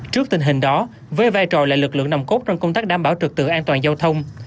trước tình hình đó với vai trò là lực lượng nồng cốt trong công tác đảm bảo trực tự an toàn giao thông